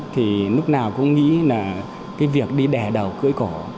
thì lúc nào cũng nghĩ là cái việc đi đẻ đầu cưỡi cổ